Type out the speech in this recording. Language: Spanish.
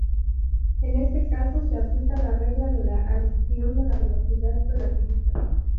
En este caso se aplica la regla de la adición de velocidad relativista.